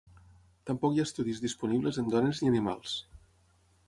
Tampoc hi ha estudis disponibles en dones ni animals.